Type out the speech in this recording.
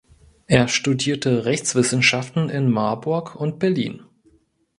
Er studierte Rechtswissenschaften in Marburg und Berlin.